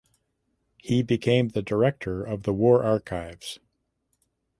He became director of the war archives.